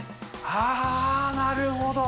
ああ、なるほど。